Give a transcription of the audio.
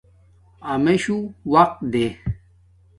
امشو وقت دیں